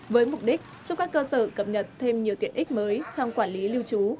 với mục đích giúp các cơ sở cập nhật thêm nhiều tiện ích mới trong quản lý lưu trú